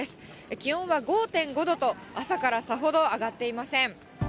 気温は５．５度と、朝からさほど上がっていません。